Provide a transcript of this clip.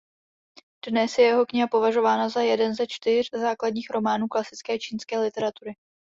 Dnes je jeho kniha považována za jeden ze čtyř základních románů klasické čínské literatury.